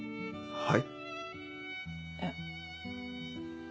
はい？